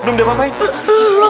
belum diapa pain pake